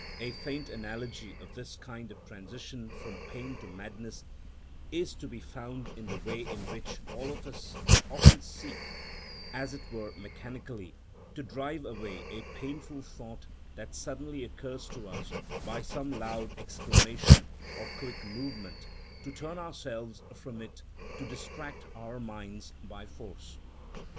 A faint analogy of this kind of transition from pain to madness is to be found in the way in which all of us often seek, as it were mechanically, to drive away a painful thought that suddenly occurs to us by some loud exclamation or quick movement—to turn ourselves from it, to distract our minds by force.